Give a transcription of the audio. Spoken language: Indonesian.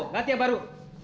nanti yang baru